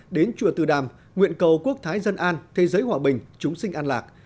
đến chùa từ đàm nguyện cầu quốc thái dân an thế giới hòa bình chúng sinh an lạc